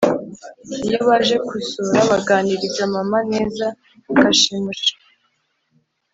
iyo baje kusura baganiriza mama neza bikashimusha